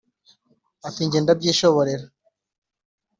ati: jyewe ndabyishoborera.